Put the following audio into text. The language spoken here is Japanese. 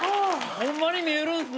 ホンマに見えるんすね。